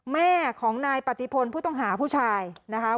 แม่ของนายปฏิพลผู้ต้องหาผู้ชายนะคะ